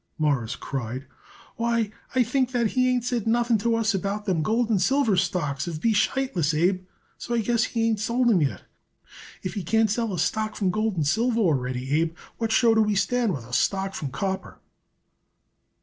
Morris cried. "Why, I think that he ain't said nothing to us about them gold and silver stocks of B. Sheitlis', Abe, so I guess he ain't sold 'em yet. If he can't sell a stock from gold and silver already, Abe, what show do we stand with a stock from copper?"